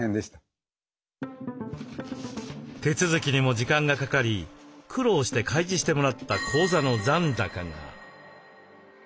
手続きにも時間がかかり苦労して開示してもらった口座の残高が。